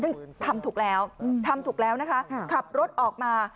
ซึ่งทำถูกแล้วทำถูกแล้วนะคะขับรถออกมา